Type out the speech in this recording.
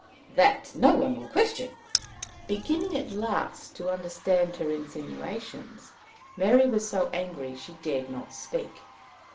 "That no one will question." Beginning at last to understand her insinuations, Mary was so angry that she dared not speak.